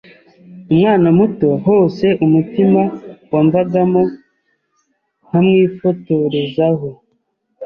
umwana muto hose umutima wamvagamo nkamwifotorezaho